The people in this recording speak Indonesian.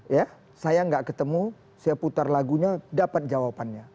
ya saya nggak ketemu saya putar lagunya dapat jawabannya